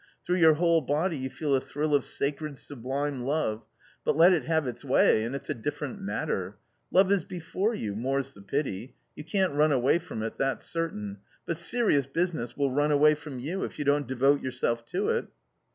through your whole body you feel a thrill of sacred, sublime love, but let it have its way — and it's a different matter Love is before you, more's the pity ; you can't run away from it that's certain ; but serious business will run away from you, if you don't devote your self to it?"